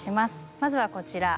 まずはこちら。